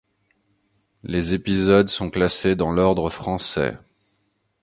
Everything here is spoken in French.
Les épisodes sont classés dans l'ordre français.